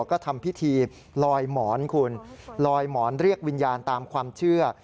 ก็ทำพิธีลอยหมอนคุณลอยหมอนเรียกวิญญาณตามความเชื่อ